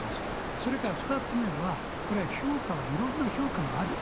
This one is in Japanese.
それから２つ目は、これは評価はいろんな評価がある。